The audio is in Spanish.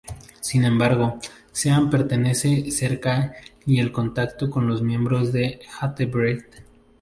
Sin embargo, Sean permanece cerca y en contacto con los miembros de Hatebreed.